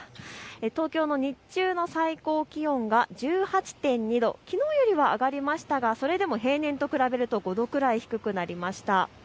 東京の日中の最高気温が１８．２度、きのうよりは上がりましたがそれでも平年と比べると５度くらい低くなりました。